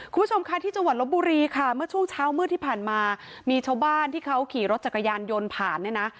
คุณผู้ชมค่ะที่จังหวัดลบบุรีค่ะเมื่อช่วงเช้ามืดที่ผ่านมามีชาวบ้านที่เขาขี่รถจักรยานยนต์ผ่านเนี่ยนะ